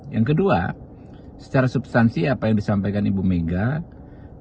yang kedua secara substansi apa yang disampaikan ibu megawa